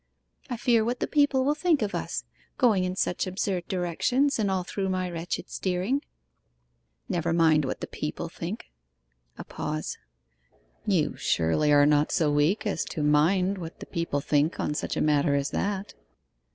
'I fear what the people will think of us going in such absurd directions, and all through my wretched steering.' 'Never mind what the people think.' A pause. 'You surely are not so weak as to mind what the people think on such a matter as that?